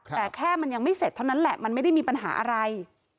แต่แค่มันยังไม่เสร็จเท่านั้นแหละมันไม่ได้มีปัญหาอะไร